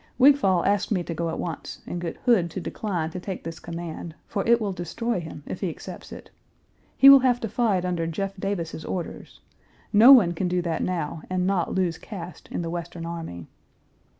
Wigfall asked me to go at once, and get Hood to decline to take this command, for it will destroy him if he accepts it. He will have to fight under Jeff Davis's orders; no one can do that now and not lose caste in the Western Army.